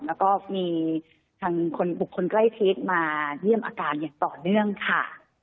แล้วก็มีทางบุคคลใกล้ชิดมาเยี่ยมอาการอย่างต่อเนื่องค่ะ